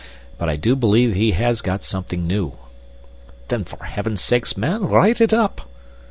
But I do believe he has got something new." "Then for Heaven's sake, man, write it up!"